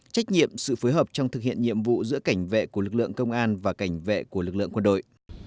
trách nhiệm sự phối hợp trong thực hiện nhiệm vụ giữa cảnh vệ của lực lượng công an và cảnh vệ của lực lượng quân đội